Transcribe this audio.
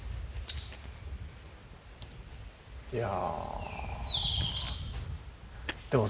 いや。